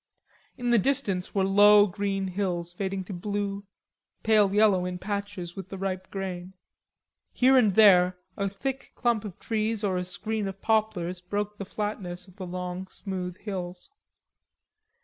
In the distance were low green hills fading to blue, pale yellow in patches with the ripe grain. Here and there a thick clump of trees or a screen of poplars broke the flatness of the long smooth hills.